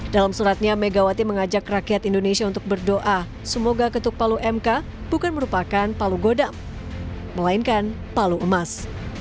dalam suratnya megawati mengajak rakyat indonesia untuk berdoa semoga ketuk palu mk bukan merupakan palu godam melainkan palu emas